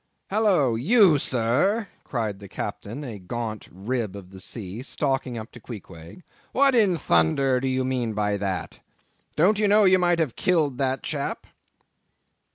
"Hallo, you sir," cried the Captain, a gaunt rib of the sea, stalking up to Queequeg, "what in thunder do you mean by that? Don't you know you might have killed that chap?"